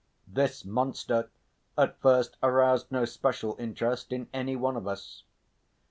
This monster at first aroused no special interest in any one of us.